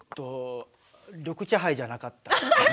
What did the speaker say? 緑茶ハイじゃなかった。